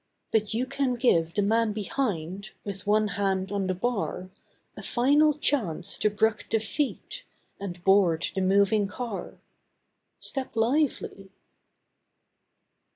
But you can give the man behind, With one hand on the bar, A final chance to brook defeat, And board the moving car. Step lively!